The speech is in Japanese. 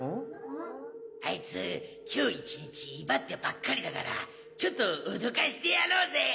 あいつ今日１日いばってばっかりだからちょっとおどかしてやろぜ！